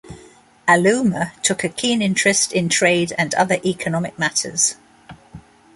Alooma took a keen interest in trade and other economic matters.